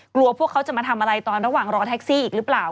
พวกเขาจะมาทำอะไรตอนระหว่างรอแท็กซี่อีกหรือเปล่า